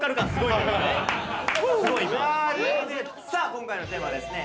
今回のテーマはですね